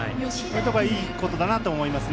これはいいことだと思います。